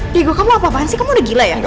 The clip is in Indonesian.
diego kamu apa apaan sih kamu udah gila ya